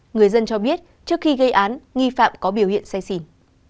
người dân cho biết trước khi gây án nghi phạm có biểu hiện say xỉn